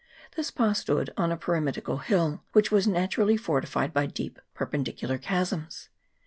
This pa stood on a pyramidical hill, which was na turally fortified by deep perpendicular chasms.